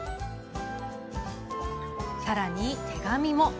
さらに手紙も。